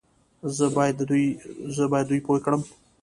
زه بايد دوی پوه کړم